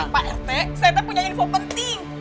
pak rt ternyata punya info penting